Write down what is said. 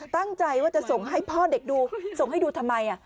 ตั้งใจว่าจะส่งให้พ่อเด็กดูส่งให้ดูทำไม